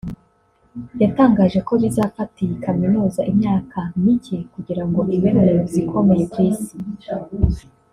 yatangaje ko bizafata iyi kaminuza imyaka mike kugira ngo ibe mu zikomeye ku Isi